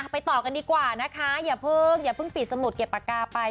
ไปต่อกันดีกว่านะคะอย่าเพิ่งพลิกสมุทรเก็บปากการไป